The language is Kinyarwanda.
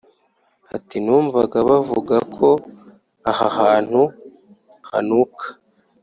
Ati “Numvaga bavuga ko aha hantu hanuka